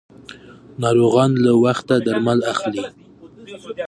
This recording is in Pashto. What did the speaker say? ناروغان له وخته درمل اخلي.